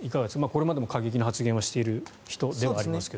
これまでも過激な発言をしている人ではありますが。